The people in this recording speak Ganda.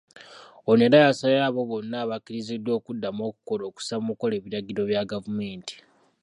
Ono era yasabaye abo bonna abakkiriziddwa okuddamu okukola okussa mu nkola ebiragiro bya gavumenti.